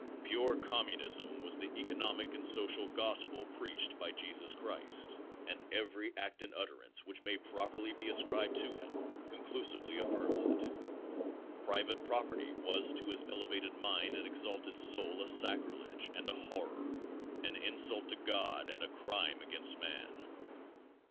Pure communism was the economic and social gospel preached by Jesus Christ, and every act and utterance which may properly be ascribed to him conclusively affirms it. Private property was to his elevated mind and exalted soul a sacrilege and a horror; an insult to God and a crime against man.